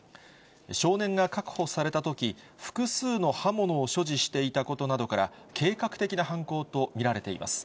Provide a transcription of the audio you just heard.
少年が確保されたとき、複数の刃物を所持していたことなどから、計画的な犯行と見られています。